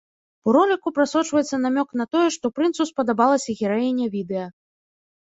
У роліку прасочваецца намёк на тое, што прынцу спадабалася гераіня відэа.